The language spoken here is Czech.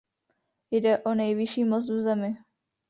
Jde o nejvyšší most v zemi.